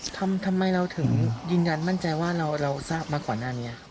ทำไมเราถึงยืนยันมั่นใจว่าเราทราบมาก่อนหน้านี้ครับ